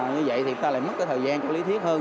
như vậy thì chúng ta lại mất cái thời gian lý thiết hơn